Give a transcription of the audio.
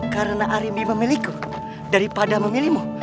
karena arimbi memiliku daripada memilihmu